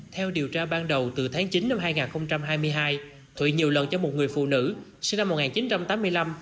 theo điều tra ban đầu từ tháng chín năm hai nghìn hai mươi hai thụy nhiều lần cho một người phụ nữ sinh năm một nghìn chín trăm tám mươi năm